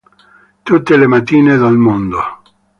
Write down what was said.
Tutte le mattine del mondo